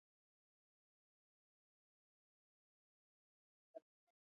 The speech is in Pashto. تالابونه د افغانستان د طبیعي زیرمو برخه ده.